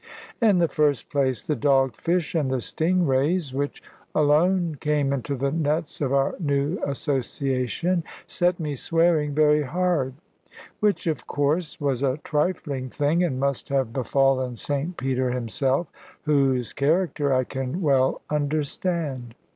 In the first place, the dog fish and the sting rays (which alone came into the nets of our new association) set me swearing very hard; which, of course, was a trifling thing, and must have befallen St Peter himself, whose character I can well understand.